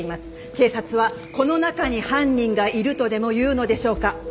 警察はこの中に犯人がいるとでも言うのでしょうか？